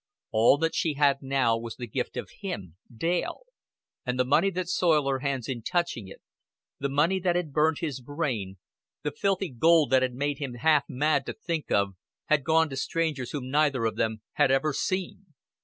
All that she had now was the gift of him, Dale; and the money that soiled her hands in touching it, the money that had burned his brain, the filthy gold that had made him half mad to think of, had gone to strangers whom neither of them had ever seen.